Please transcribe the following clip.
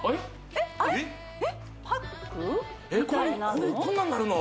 えっこんなんなるの？